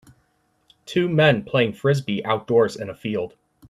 Two men playing frisbee outdoors in a field.